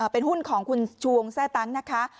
เป็นหุ้นของคุณชวงแทร่ตั้งนะคะ